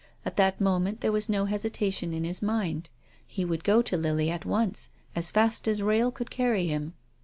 At that moment there was no hesitation in his mind. He would go to Lily at once, as fast as rail could carry him.